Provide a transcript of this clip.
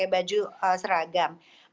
mereka nggak perlu pakai baju seragam